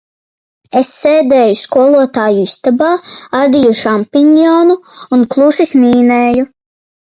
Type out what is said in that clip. Es sēdēju skolotāju istabā, adīju šampinjonu un klusi smīnēju.